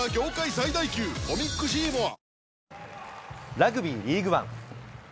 ラグビーリーグワン。